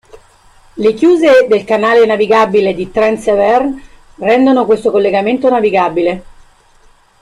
Le chiuse del canale navigabile di Trent-Severn rendono questo collegamento navigabile.